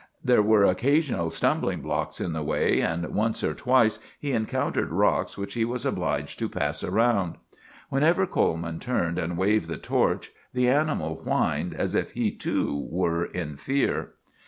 There were occasional stumbling blocks in the way, and once or twice he encountered rocks which he was obliged to pass around. Whenever Coleman turned and waved the torch, the animal whined as if he too were in fear.